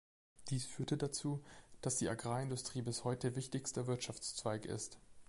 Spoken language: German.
Dies führte dazu, dass die Agrarindustrie bis heute wichtigster Wirtschaftszweig ist.